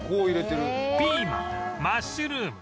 ピーマンマッシュルーム